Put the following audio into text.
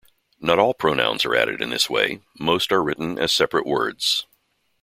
Not all pronouns are added in this way; most are written as separate words.